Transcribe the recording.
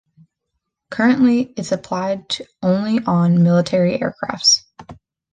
Currently it’s applied only on military aircrafts.